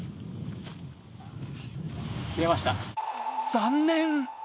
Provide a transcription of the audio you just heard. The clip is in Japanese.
残念。